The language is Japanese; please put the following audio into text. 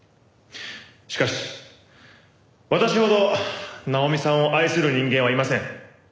しかし私ほど奈穂美さんを愛する人間はいません。